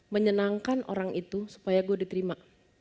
menyenangkan orang itu supaya gue diterima